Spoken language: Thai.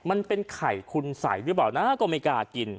มันเป็นไข่คุณใสหรือเปล่านะก็ไม่กล้ากิน